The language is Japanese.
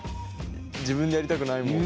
自分でやりたくないもん。